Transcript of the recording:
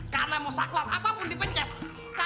karena mau saklar apapun dipencet